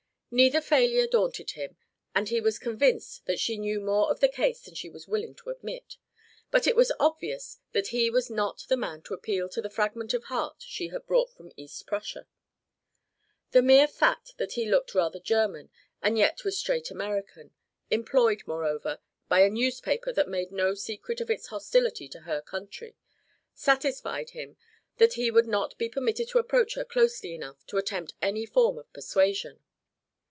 Neither failure daunted him, and he was convinced that she knew more of the case than she was willing to admit; but it was obvious that he was not the man to appeal to the fragment of heart she had brought from East Prussia. The mere fact that he looked rather German and yet was straight American employed, moreover, by a newspaper that made no secret of its hostility to her country satisfied him that he would not be permitted to approach her closely enough to attempt any form of persuasion.